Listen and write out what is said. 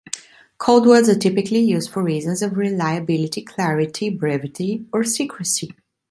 Code words are typically used for reasons of reliability, clarity, brevity, or secrecy.